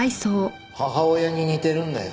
母親に似てるんだよ